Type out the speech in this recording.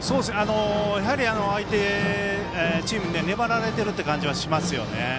やはり相手チームに粘られているという感じはします。